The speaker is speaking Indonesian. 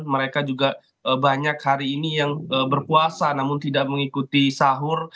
mereka juga banyak hari ini yang berpuasa namun tidak mengikuti sahur